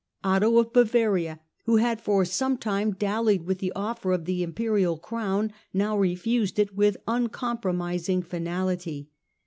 Otho of Bavaria, who had for some time dallied with the offer of the Imperial Crown, now refused it with uncompromising finality.